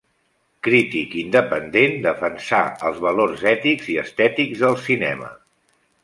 Crític independent defensà els valors ètics i estètics del cinema.